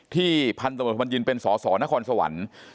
พันธุ์ตำรวจบัญญินเป็นสสนครสวรรค์